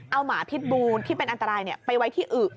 เอาหมาพิษบูนที่เป็นอันตรายไปไว้ที่อึ